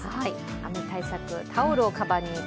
雨対策、タオルをかばんに。